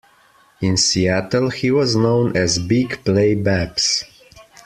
In Seattle, he was known as "Big Play Babs".